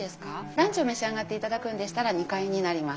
ランチを召し上がっていただくんでしたら２階になります。